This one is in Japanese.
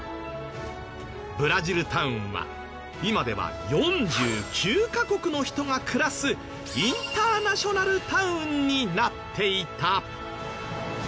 ブラジルタウンは今では４９カ国の人が暮らすインターナショナルタウンになっていた。